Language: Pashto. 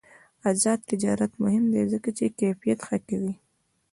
آزاد تجارت مهم دی ځکه چې کیفیت ښه کوي.